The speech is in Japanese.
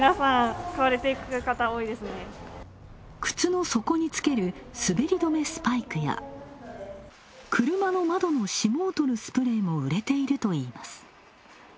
靴の底につける、滑り止めスパイクや車の窓の霜を取るスプレーも売れているといいます。